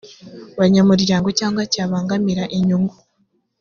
banyamuryango cyangwa cyabangamira inyungu